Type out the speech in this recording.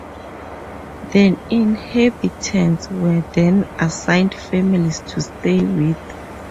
The inhabitants were then assigned families to stay with.